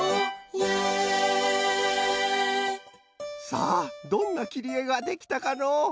さあどんなきりえができたかのう？